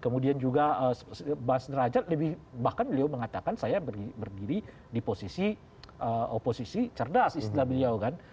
kemudian juga mas derajat lebih bahkan beliau mengatakan saya berdiri di posisi oposisi cerdas istilah beliau kan